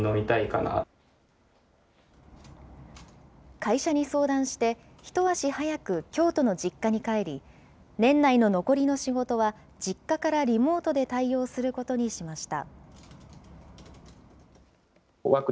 会社に相談して、一足早く京都の実家に帰り、年内の残りの仕事は実家からリモートで対応することにしました。